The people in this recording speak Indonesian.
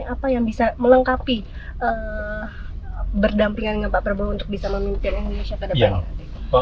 apa yang bisa melengkapi berdampingan dengan pak prabowo untuk bisa memimpin indonesia ke depan nanti